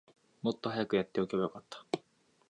もっと早くやっておけばよかった